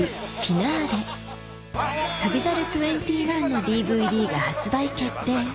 『旅猿２１』のＤＶＤが発売決定